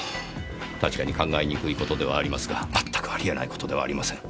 確かに考えにくい事ではありますがまったくありえない事ではありません。